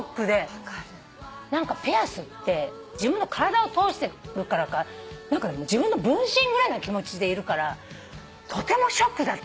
何かピアスって自分の体を通してるからか自分の分身ぐらいな気持ちでいるからとてもショックだったの。